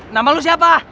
nama lu siapa